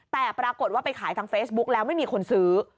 แต่ปรากฏว่าไปขายทางเฟซบุ๊กแล้วไม่มีคนซื้อ